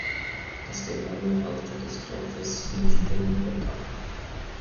Das genaue Alter des Dorfes nicht genau bekannt.